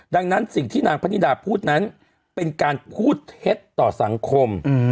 ดังนั้นสิ่งที่นางพนิดาพูดนั้นเป็นการพูดเท็จต่อสังคม